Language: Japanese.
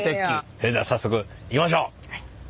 それでは早速行きましょう。